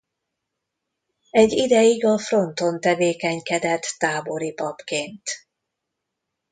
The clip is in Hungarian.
Egy ideig a fronton tevékenykedett tábori papként.